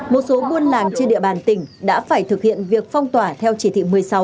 một số buôn làng trên địa bàn tỉnh đã phải thực hiện việc phong tỏa theo chỉ thị một mươi sáu